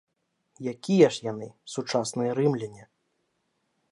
Якія ж яны, сучасныя рымляне?